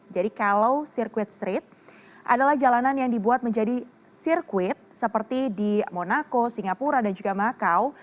jadi kalau sirkuit street adalah jalanan yang dibuat menjadi sirkuit seperti di monaco singapura dan juga makau